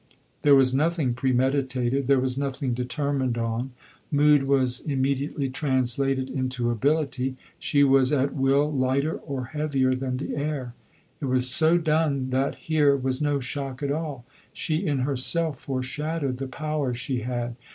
There was nothing premeditated, there was nothing determined on: mood was immediately translated into ability she was at will lighter or heavier than the air. It was so done that here was no shock at all she in herself foreshadowed the power she had.